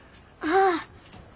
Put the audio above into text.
ああ。